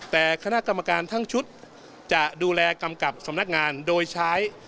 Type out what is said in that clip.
แต่คณะกรรมการทั้งชุดจะดูแลกำกับสำนักงานโดยใช้